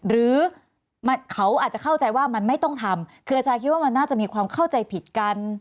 หรือเขาอาจจะเข้าใจว่ามันไม่ต้องทำคืออาจารย์คิดว่ามันน่าจะมีความเข้าใจผิดกัน